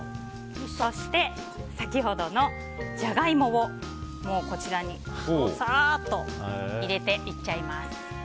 そして、先ほどのジャガイモをもうこちらにどさっと入れていっちゃいます。